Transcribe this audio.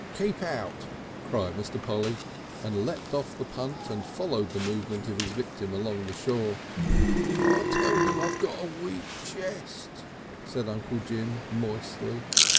"Keep out!" cried Mr. Polly, and leapt off the punt and followed the movements of his victim along the shore. "I tell you I got a weak chess," said Uncle Jim, moistly.